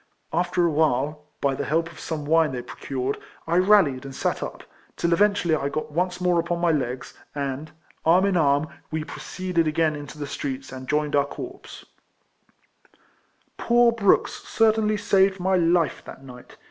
After awhile, by the help of some wine they pro cured, 1 rallied and sat up, till eventually 1 got once more upon my legs, and, arm in arm, we proceeded again into the streets, and joined our corps. Poor Brooks cer tainly saved my life that night.